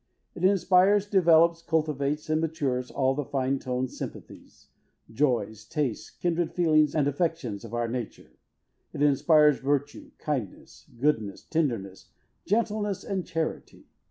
It inspires, developes, cultivates and matures all the fine toned sympathies, joys, tastes, kindred feelings and affections of our nature. It inspires virtue, kindness, goodness, tenderness, gentleness and charity.